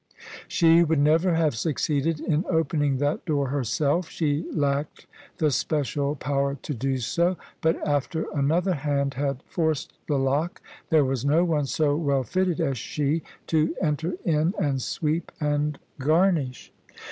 She would never have succeeded in opening that door herself: she lacked the special power to do so: but, after another hand had forced the lock, there was no one so well fitted as she to enter in and sweep and garnish.